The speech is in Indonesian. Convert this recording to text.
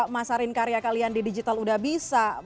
masarin karya kalian di digital udah bisa